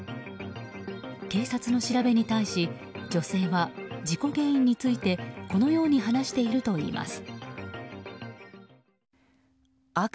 警察の調べに対し、女性は事故原因についてこのように話しているといいます。